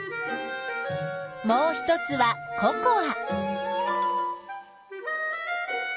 もう一つはココア。